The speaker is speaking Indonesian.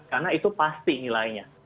karena itu pasti nilainya